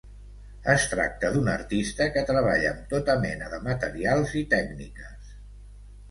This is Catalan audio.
Es tracta d’una artista que treballa amb tota mena de materials i tècniques.